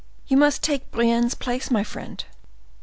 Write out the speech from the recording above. You must take Brienne's place, my friend.